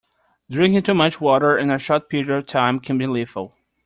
Drinking too much water in a short period of time can be lethal.